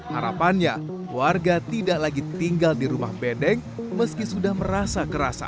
harapannya warga tidak lagi tinggal di rumah bendeng meski sudah merasa kerasa